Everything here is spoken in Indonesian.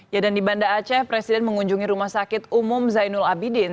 ya dan di banda aceh presiden mengunjungi rumah sakit umum zainul abidin